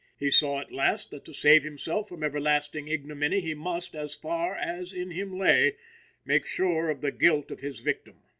He saw, at last, that to save himself from everlasting ignominy he must, as far as in him lay, make sure of the guilt of his victim.